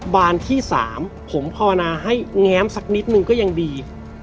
บานที่๓ผมภาวนาให้แง้มสักนิดนึงก็ยังดี